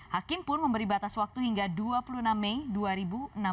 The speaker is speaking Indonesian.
hakim pun memberi batas waktu hingga dua puluh enam mei dua ribu enam belas